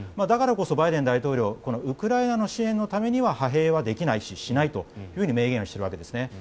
だからこそバイデン大統領ウクライナの支援のためには派兵はできないししないと明言しているわけです。